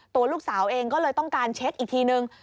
ตัวลูกสาวเองก็เลยต้องการเช็คอีกทีนึง